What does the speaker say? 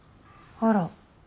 あら。